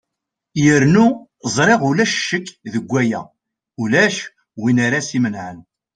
yernu ẓriɣ ulac ccek deg waya ulac win ara s-imenɛen